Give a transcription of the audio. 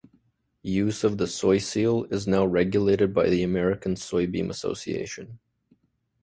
Use of the SoySeal is now regulated by the American Soybean Association.